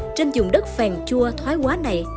trên dùng đất phèn chua thoái quá này